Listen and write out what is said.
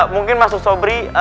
mungkin masuk sobri